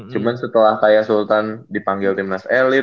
cuman setelah kayak sultan dipanggil timnas elit